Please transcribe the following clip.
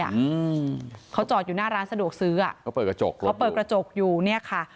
อืมเขาจอดอยู่หน้าร้านสะดวกซื้ออ่ะเขาเปิดกระจกเลยเขาเปิดกระจกอยู่เนี้ยค่ะ